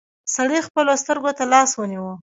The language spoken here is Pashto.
سړي خپلو سترګو ته لاس ونيو.